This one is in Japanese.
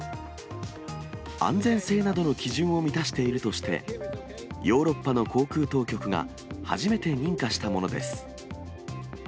安全性などの基準を満たしているとして、ヨーロッパの航空当局が初めて認可したものです。